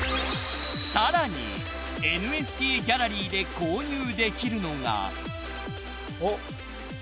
［ＮＦＴギャラリーで購入できるのが］